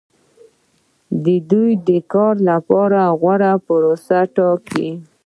دوی د کار لپاره غوره پروسه ټاکي.